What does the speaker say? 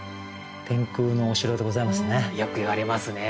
天空のお城でございますね。